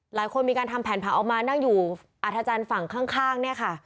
หลายคนมีการทำแผนผังออกมานั่งอยู่อัธจันทร์ฝั่งข้างเนี่ยค่ะ